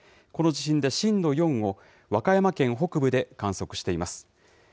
この地震で震度４を和歌山県北部で観測しています。